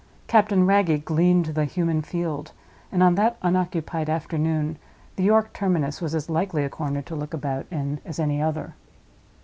Captain Wragge gleaned the human field, and on that unoccupied afternoon the York terminus was as likely a corner to look about in as any other.